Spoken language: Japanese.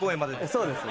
そうですね。